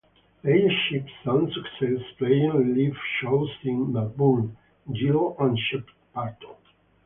They achieved some success, playing live shows in Melbourne, Geelong and Shepparton.